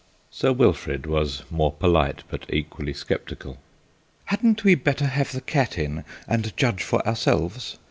Sir Wilfrid was more polite, but equally sceptical. "Hadn't we better have the cat in and judge for ourselves?"